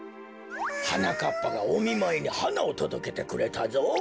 はなかっぱがおみまいにはなをとどけてくれたぞ。